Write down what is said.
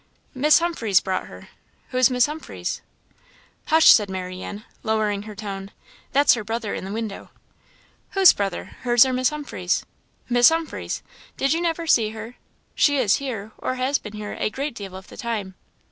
"Miss Humphreys brought her." "Who's Miss Humphreys?" "Hush!" said Marianne, lowering her tone "that's her brother in the window." "Whose brother? hers or Miss Humphreys'?" "Miss Humphreys'. Did you never see her? She is here, or has been here, a great deal of the time.